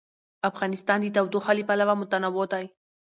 افغانستان د تودوخه له پلوه متنوع دی.